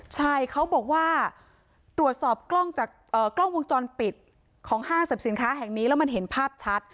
ใช่เขาบอกว่าตรวจสอบกล้องจากกล้องวงจรปิดของห้างสรรพสินค้าแห่งนี้แล้วมันเห็นภาพชัด